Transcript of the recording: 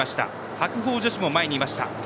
白鵬女子も前にいました。